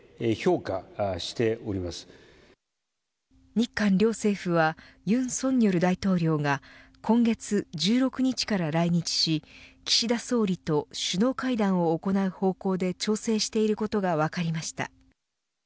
日韓両政府は尹錫悦大統領が今月１６日から来日し岸田総理と首脳会談を行う方向で調整していることが分かりました。